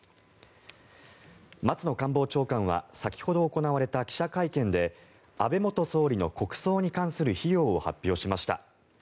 松野官房長官は先ほど行われた記者会見で安倍元総理の国葬に関する費用を発表しました。